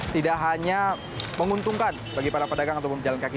tidak hanya menguntungkan bagi para pedagang atau pejalan kaki